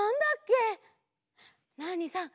ナーニさん